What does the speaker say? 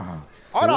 あら！